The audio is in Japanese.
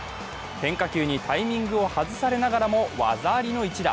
変化球にタイミングを外されながらも技ありの一打。